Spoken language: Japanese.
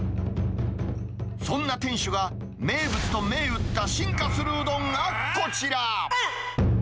そんな店主が、名物と銘打った進化するうどんがこちら。